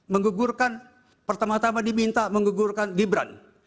menggugurkan pertama tama diminta menggugurkan gibran